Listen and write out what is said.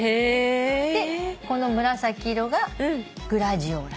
この紫色がグラジオラス。